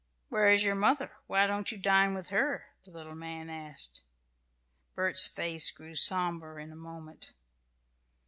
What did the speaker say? "Where is your mother? Why don't you dine with her?" the little man asked. Bert's face grew sober in a moment.